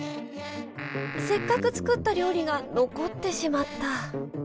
せっかく作った料理が残ってしまった。